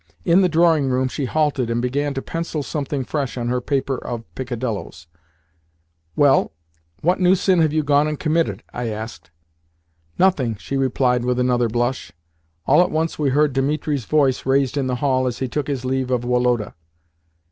In the drawing room she halted, and began to pencil something fresh on her paper of peccadilloes. "Well, what new sin have you gone and committed?" I asked. "Nothing," she replied with another blush. All at once we heard Dimitri's voice raised in the hall as he took his leave of Woloda.